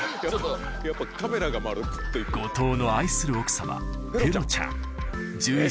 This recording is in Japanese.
後藤の愛する奥さまペロちゃん